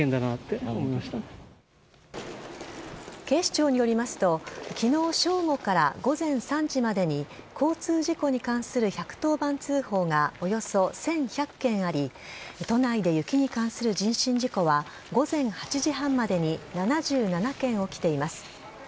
警視庁によりますと昨日正午から午前３時までに交通事故に関する１１０番通報がおよそ１１００件あり都内で雪に関する人身事故は午前８時半までに７７件起きています。